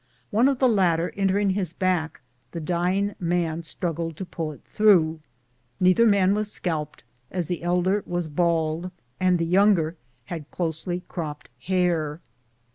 One of the latter en tering his back, the dying man struggled to pull it through. Neither man was scalped, as the elder was bald and the younger had closely cropped hair.